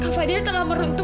kak fadil telah meruntuh